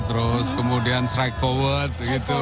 terus kemudian strike forward